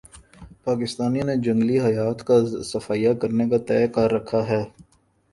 پاکستانیوں نے جنگلی حیات کا صفایا کرنے کا تہیہ کر رکھا ہے